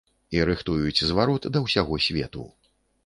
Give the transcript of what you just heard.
І рыхтуюць зварот да ўсяго свету.